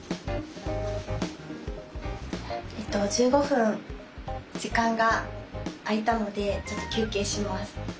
１５分時間が空いたのでちょっと休憩します。